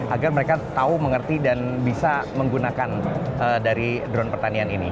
agar mereka tahu mengerti dan bisa menggunakan dari drone pertanian ini